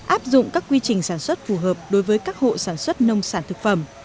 áp dụng các quy trình sản xuất phù hợp đối với các hộ sản xuất nông sản thực phẩm